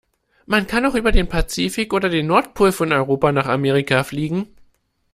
Man kann auch über den Pazifik oder den Nordpol von Europa nach Amerika fliegen.